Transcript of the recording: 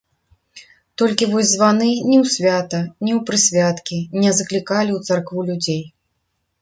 Толькі вось званы ні ў свята, ні ў прысвяткі не заклікалі ў царкву людзей.